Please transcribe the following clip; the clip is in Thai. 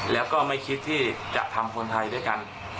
แล้วก็ไม่คิดที่จะทำคนไทยด้วยกัน